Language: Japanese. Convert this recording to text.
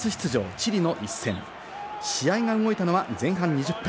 チリの一戦試合が動いたのは前半２０分。